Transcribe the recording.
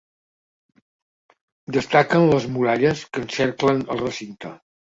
Destaquen les muralles que encerclen el recinte.